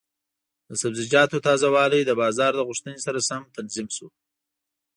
د سبزیجاتو تازه والی د بازار د غوښتنې سره سم تنظیم شي.